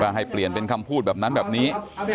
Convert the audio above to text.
ให้เปลี่ยนเป็นคำพูดแบบนั้นแบบนี้